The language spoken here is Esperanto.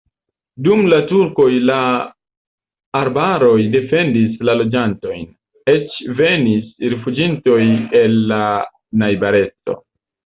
Dum la turkoj la arbaroj defendis la loĝantojn, eĉ venis rifuĝintoj el la najbareco.